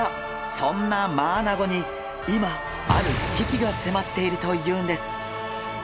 そんなマアナゴに今ある危機が迫っているというんです！